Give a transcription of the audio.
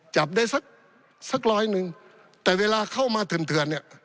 จับได้สักสักร้อยหนึ่งแต่เวลาเข้ามาเถื่อนเนี่ย